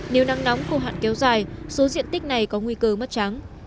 nếu nắng nóng khô hạn kéo dài số diện tích này có nguy cơ mất trắng